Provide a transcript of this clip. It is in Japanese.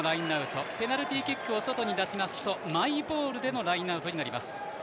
ペナルティキックを外に出すとマイボールでのラインアウトになります。